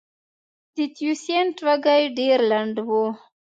د تیوسینټ وږی ډېر لنډ و